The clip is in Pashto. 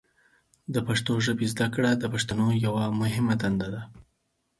د پښتو ژبې زده کړه د پښتنو یوه مهمه دنده ده.